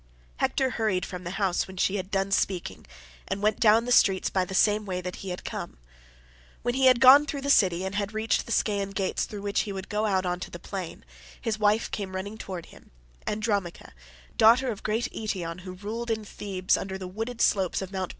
Hector hurried from the house when she had done speaking, and went down the streets by the same way that he had come. When he had gone through the city and had reached the Scaean gates through which he would go out on to the plain, his wife came running towards him, Andromache, daughter of great Eetion who ruled in Thebe under the wooded slopes of Mt.